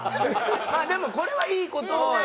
まあでもこれはいい事やん。